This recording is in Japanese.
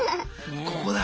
ここだ。